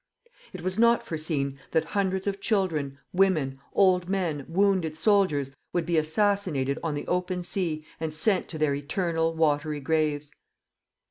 It was not foreseen that hundreds of children, women, old men, wounded soldiers, would be assassinated on the open sea and sent to their eternal watery graves.